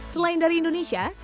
selain dari indonesia